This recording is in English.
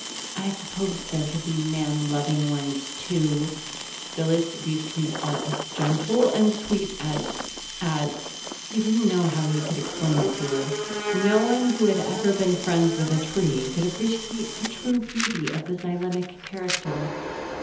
I suppose there could be man loving ones, too." "Phyllis, these trees are as gentle and sweet as as " He didn't know how he could explain it to her. No one who had never been friends with a tree could appreciate the true beauty of the xylemic character.